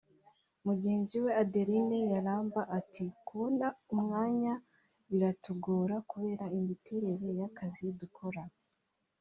Mugenzi we Adeline Yaramba ati “Kubona umwanya biratugora kubera imiterere y’akazi dukora